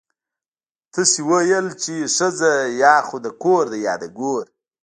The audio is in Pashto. تاسو ويل چې ښځه يا خو د کور ده يا د ګور.